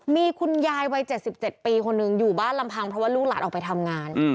มีคุณยายวัย๗๗ปีคนหนึ่งอยู่บ้านลำพังเพราะว่าลูกหลานออกไปทำงาน